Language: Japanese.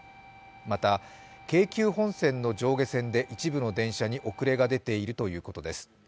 また、京急本線の上下線で一部の電車に遅れが出ているということです。